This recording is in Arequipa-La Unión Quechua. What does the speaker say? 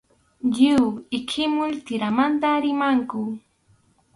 Lliw ihilmum tirinmanta rimaqku.